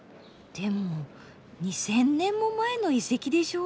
でも２，０００年も前の遺跡でしょう？